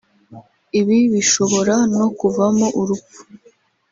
ibi bishobora no kuvamo urupfu